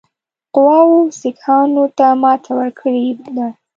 قواوو سیکهانو ته ماته ورکړې ده.